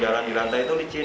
jalan di lantai itu licin